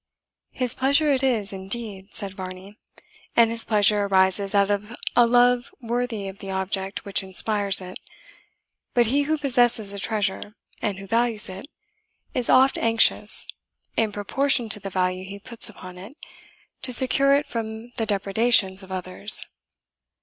"His pleasure it is indeed," said Varney; "and his pleasure arises out of a love worthy of the object which inspires it. But he who possesses a treasure, and who values it, is oft anxious, in proportion to the value he puts upon it, to secure it from the depredations of others."